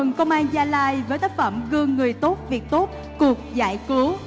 xin được chúc mừng công an gia lai với tác phẩm gương người tốt việc tốt cuộc giải cứu